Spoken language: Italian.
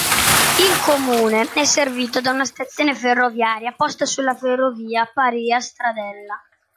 Il comune è servito da una stazione ferroviaria posta sulla ferrovia Pavia-Stradella.